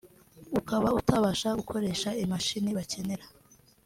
ukaba utabasha gukoresha imashini bakenera